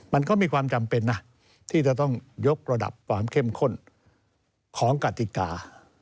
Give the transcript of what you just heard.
มันก็มีความจำเป็นนะที่จะต้องยกระดับความเข้มข้นของกติกา